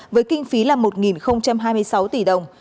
với kinh phí là một hai mươi sáu tỷ đồng